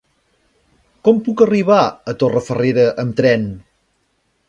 Com puc arribar a Torrefarrera amb tren?